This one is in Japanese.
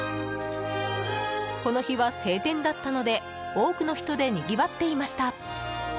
この日は晴天だったので多くの人でにぎわっていました。